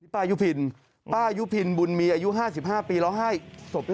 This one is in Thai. ป๊าคะเดี๋ยวเอาเอาเถอะออกมา